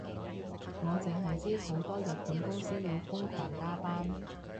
我淨係知好多日本公司要瘋狂加班